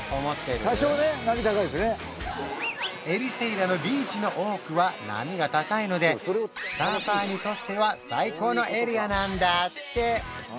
エリセイラのビーチの多くは波が高いのでサーファーにとっては最高のエリアなんだって